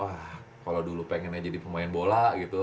wah kalau dulu pengennya jadi pemain bola gitu